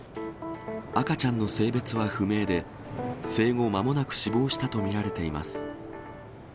赤ちゃんの性別は不明で、生後間もなく死亡したと見られています。